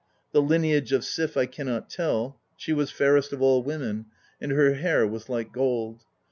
The lineage of Sif I cannot tell; she was fairest of all women, PROLOGUE 7 and her hair was like gold.